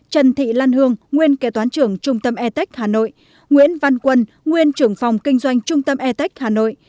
trần thị lan hương nguyên kế toán trưởng trung tâm atec hà nội nguyễn văn quân nguyên trưởng phòng kinh doanh trung tâm atec hà nội